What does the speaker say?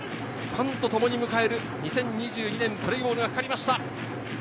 ファンと共に迎える２０２２年「プレイボール」が掛かりました。